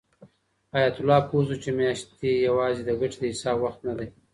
حیات الله پوه شو چې میاشتې یوازې د ګټې د حساب وخت نه دی.